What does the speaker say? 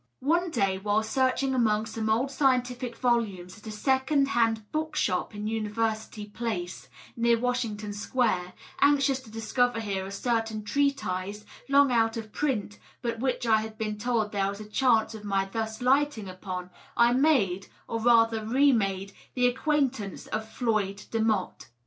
One day, while searching amongsome old scientific volumes at a second hand book shop in University Race, near Washington Square, anxious to discover here a certain treatise, long out of print, but which I had been told there was a chance of my thus lighting upon, I made, or rather re made, the acquaintance of Floyd Demotte.